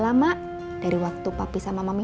lama dari waktu papi sama mami